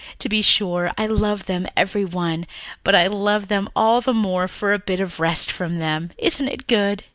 To be sure, I love them every one, but I'll love them all the more for a bit of a rest from them. Isn't it good?"